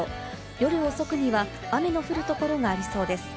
夜遅くには雨の降る所がありそうです。